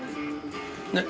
ねっ。